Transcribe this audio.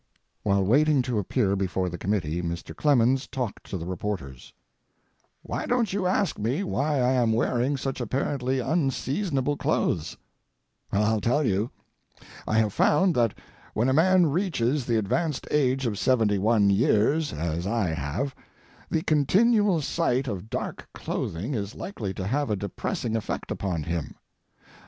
While waiting to appear before the committee, Mr. Clemens talked to the reporters: Why don't you ask why I am wearing such apparently unseasonable clothes? I'll tell you. I have found that when a man reaches the advanced age of seventy one years, as I have, the continual sight of dark clothing is likely to have a depressing effect upon him.